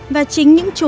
và chính những chốn